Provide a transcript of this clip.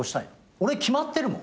俺決まってるもん。